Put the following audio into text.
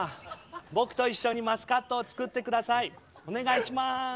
僕と一緒にマスカットを作って下さいお願いします。